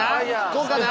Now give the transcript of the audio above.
こうかな？